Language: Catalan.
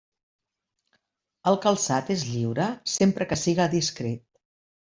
El calçat és lliure sempre que siga discret.